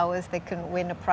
mereka tidak bisa menangkan harga